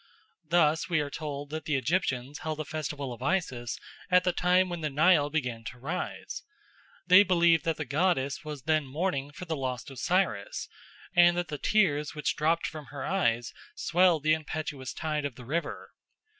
Thus we are told that the Egyptians held a festival of Isis at the time when the Nile began to rise. They believed that the goddess was then mourning for the lost Osiris, and that the tears which dropped from her eyes swelled the impetuous tide of the river.